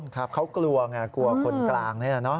ครับเขากลัวไงกลัวคนกลางนี่แหละเนอ